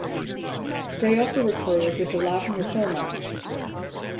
Gray also recorded with the Lavender Pill Mob.